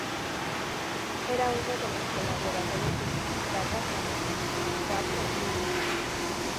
Era uno de los colaboradores de Tiki-Taka, cuando se emitió en Cuatro y Energy.